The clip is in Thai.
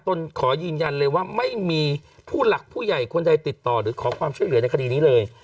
ขอยืนยันเลยว่าไม่มีผู้หลักผู้ใหญ่คนใดติดต่อหรือขอความช่วยเหลือในคดีนี้เลย